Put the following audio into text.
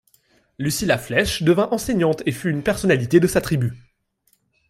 Lucy La Flesche devint enseignante et fut une personnalité de sa tribu.